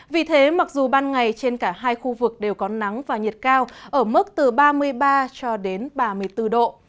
vì thế mặc dù ban ngày trên cả hai khu vực đều có nắng và nhiệt cao ở mức từ ba mươi ba cho đến ba mươi bốn độ